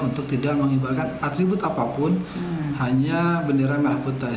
untuk tidak mengibarkan atribut apapun hanya bendera merah putih